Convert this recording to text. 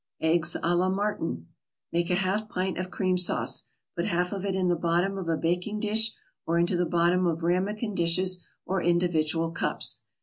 EGGS A LA MARTIN Make a half pint of cream sauce. Put half of it in the bottom of a baking dish or into the bottom of ramekin dishes or individual cups.